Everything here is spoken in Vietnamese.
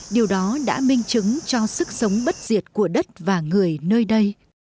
điều đó đã minh chứng cho sức sống bất diệt của đất và người nơi đây